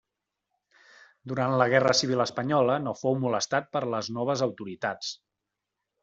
Durant la guerra civil espanyola no fou molestat per les noves autoritats.